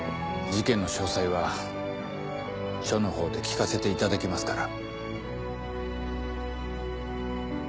事件の詳細は署のほうで聞かせていただきますから。